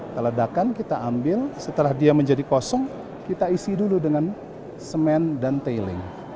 keledakan kita ambil setelah dia menjadi kosong kita isi dulu dengan semen dan tailing